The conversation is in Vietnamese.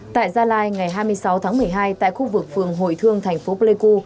tại gia lai ngày hai mươi sáu tháng một mươi hai tại khu vực phường hồi thương thành phố pleiku